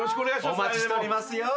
お待ちしておりますよ。